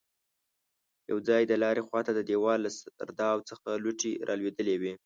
يو ځای د لارې خواته د دېوال له سرداو څخه لوټې رالوېدلې وې.